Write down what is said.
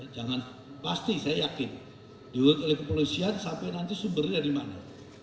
jangan pasti saya yakin diurut oleh kepolisian sampai nanti sumbernya dari mana